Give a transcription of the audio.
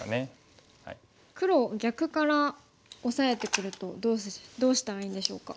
黒逆からオサえてくるとどうしたらいいんでしょうか。